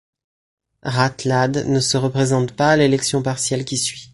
Ratelade ne se représente pas à l'élection partielle qui suit.